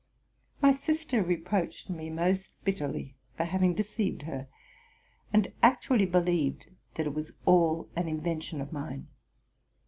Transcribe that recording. My sister re proached me most bitterly for having deceived her, and actually believed that it was all an invention of mine.